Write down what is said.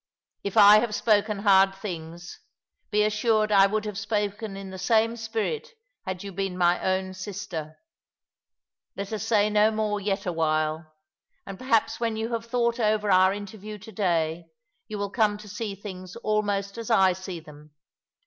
If I have spoken hard things, be assured I would have spoken in the same spirit had you been my own sister. Let us say no more yet awhile — and perhaps when you have thought over our interview to day you will come to see things almost as I see them.